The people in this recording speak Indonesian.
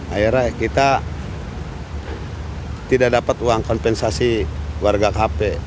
akhirnya kita tidak dapat uang kompensasi warga kp